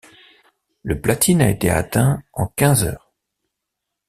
Le platine a été atteint en quinze heures.